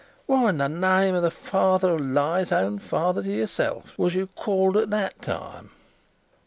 What, in the name of the Father of Lies, own father to yourself, was you called at that time?"